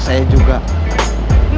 saya mau manualnya